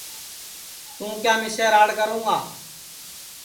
توں کیا مِسے راڑ کروں گا